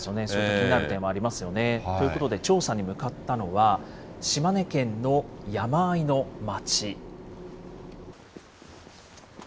気になる点もありますよね。ということで、調査に向かったのは、島根県の山あいの町。